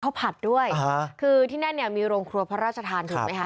ข้าวผัดด้วยอ่าฮะคือที่นั่นเนี้ยมีโรงครัวพระราชธานถูกไหมฮะ